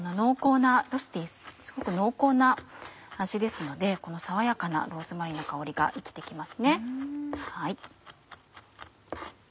ロスティーすごく濃厚な味ですのでこの爽やかなローズマリーの香りが生きて来ますね。